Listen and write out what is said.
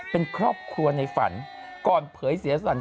เป็นครอบครัวในฝันก่อนเผยเสียสั่น